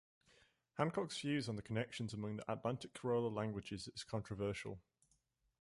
Hancock's views on the connections among the Atlantic creole languages is controversial.